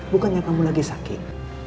bukannya kamu lagi sakit